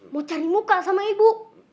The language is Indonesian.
mau cari muka sama ibu